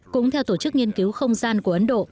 cũng theo tổ chức nghiên cứu không gian của ấn độ